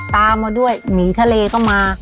ตามมาด้วยหมีทะเลก็มา